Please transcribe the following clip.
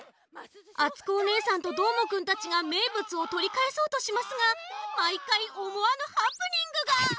あつこおねえさんとどーもくんたちがめいぶつをとりかえそうとしますがまいかいおもわぬハプニングが！